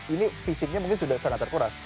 ini fisiknya mungkin sudah sangat terkuras